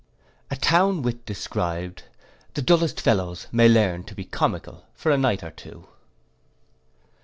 A town wit described. The dullest fellows may learn to be comical for a night or two.